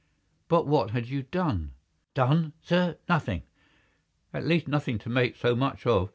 "But what had you done?" "Done, sir! Nothing. At least nothing to make so much of.